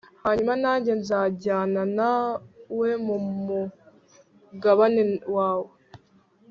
hanyuma nanjye nzajyana nawe mu mugabane wawe